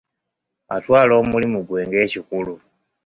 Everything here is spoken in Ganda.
Atwala omulimu gwe ng'ekikulu.